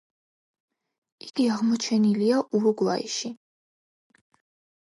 იგი აღმოჩენილია ურუგვაიში.